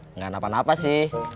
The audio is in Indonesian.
enggak kenapa kenapa sih